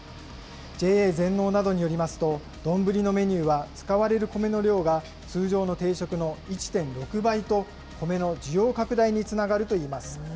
ＪＡ全農などによりますと、丼のメニューは、使われるコメの量が通常の定食の１．６倍と、コメの需要拡大につながるといいます。